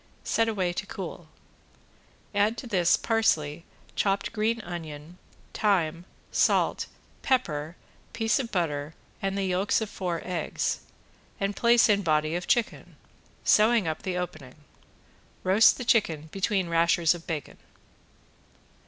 Set away to cool. Add to this parsley, chopped green onion, thyme, salt, pepper, piece of butter and the yolks of four eggs, and place in body of chicken, sewing up the opening. Roast the chicken between rashers of bacon.